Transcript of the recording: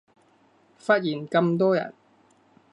忽然咁多人